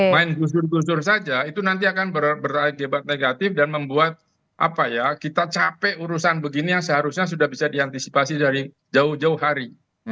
main gusur gus dur saja itu nanti akan berakibat negatif dan membuat kita capek urusan begini yang seharusnya sudah bisa diantisipasi dari jauh jauh hari